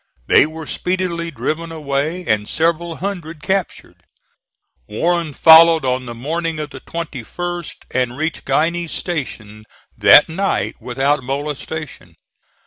They were speedily driven away, and several hundred captured. Warren followed on the morning of the 21st, and reached Guiney's Station that night without molestation.